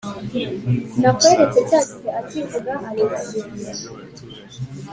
nibura umusaruro ukaba hejuru y'ubwiyongere bw'abaturage